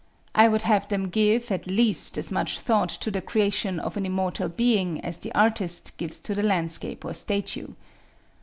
I would have them give, at least, as much thought to the creation of an immortal being as the artist gives to his landscape or statue.